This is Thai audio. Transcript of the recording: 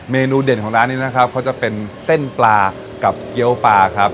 เมนูเด่นของร้านนี้นะครับเขาจะเป็นเส้นปลากับเกี้ยวปลาครับ